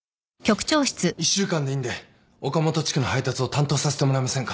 １週間でいいんで岡本地区の配達を担当させてもらえませんか？